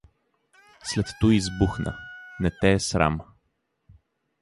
След туй избухна: — Не те е срам!